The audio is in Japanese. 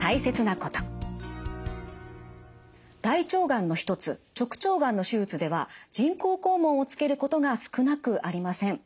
大腸がんの一つ直腸がんの手術では人工肛門をつけることが少なくありません。